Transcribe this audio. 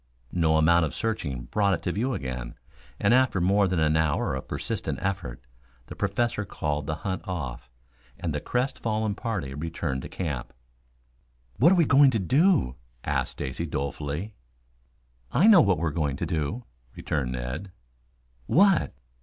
No amount of searching brought it to view again, and after more than an hour of persistent effort, the Professor called the hunt off, and the crestfallen party returned to camp. "What are we going to do?" asked Stacy dolefully. "I know what you are going to do," returned Ned. "What?"